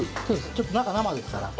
ちょっと中生ですから。